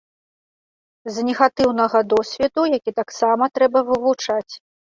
З негатыўнага досведу, які таксама трэба вывучаць.